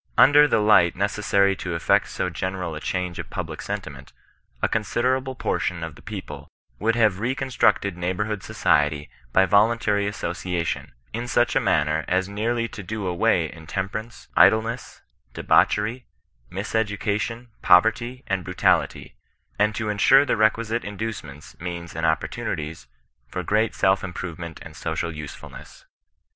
Under the light necessary to effect so general a change of public sentiment, a considerable portion of the people would have reconstructed neighbourhood society by vo luntary association, in such a manner as nearly to do away intemperance, idleness, debauchery, mis education, poverty, and brutality, and to insure the requisite in ducements, means, and opportunities, for great self im provement and social usefulness.